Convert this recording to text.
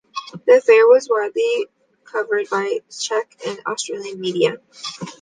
The affair was widely covered by Czech and Austrian media.